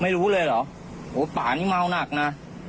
ไม่รู้เลยเหรอโหป่านี่เมาหนักนะ